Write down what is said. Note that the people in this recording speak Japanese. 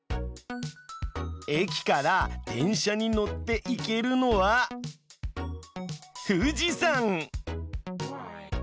駅から電車に乗って行けるのは富士山！